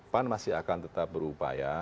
pan masih akan tetap berupaya